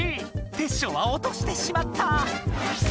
テッショウはおとしてしまった！